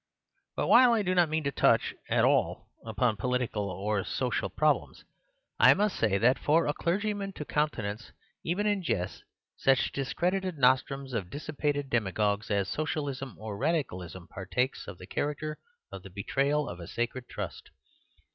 But, while I do not mean to touch at all upon political or social problems, I must say that for a clergyman to countenance, even in jest, such discredited nostrums of dissipated demagogues as Socialism or Radicalism partakes of the character of the betrayal of a sacred trust.